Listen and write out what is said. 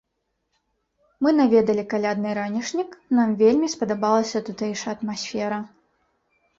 Мы наведалі калядны ранішнік, нам вельмі спадабалася тутэйшая атмасфера.